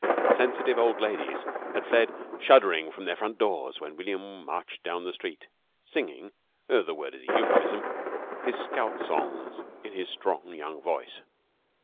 Sensitive old ladies had fled shuddering from their front windows when William marched down the street singing (the word is a euphemism) his scout songs in his strong young voice.